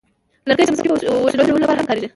لرګي د موسیقي وسیلو جوړولو لپاره هم کارېږي.